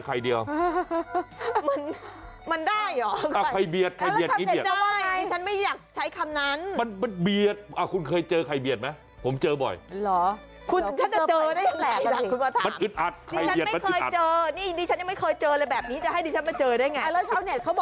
เขาตอกไข่ออกมาแล้ว๑